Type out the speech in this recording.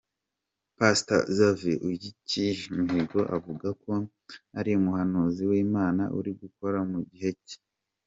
Pastor Xavier Uciyimihigo avuga ko ari umuhanuzi w'Imana uri gukora mu gihe cye.